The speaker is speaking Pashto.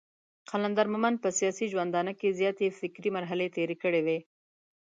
قلندر مومند په سياسي ژوندانه کې زياتې فکري مرحلې تېرې کړې وې.